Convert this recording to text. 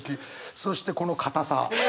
そしてこのかたさ。